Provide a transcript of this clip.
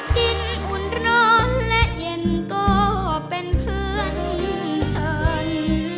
กินอุ่นร้อนและเย็นก็เป็นเพื่อนฉัน